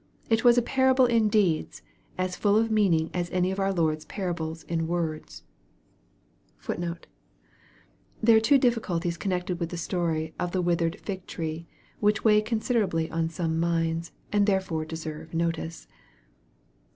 It was a parable in deeds, as full of meaning as any of our Lord's parables in words.* * There are two difficulties connected with the story of the with ered fig tree, which weigh considerably on some minds, and therefore deserve notice.